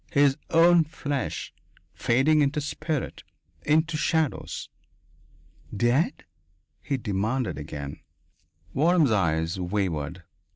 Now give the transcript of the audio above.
His own flesh, fading into spirit, into shadows.... "Dead?" he demanded again. Waram's eyes wavered.